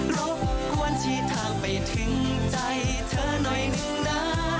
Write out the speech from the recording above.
รบกวนชี้ทางไปถึงใจเธอหน่อยหนึ่งนะ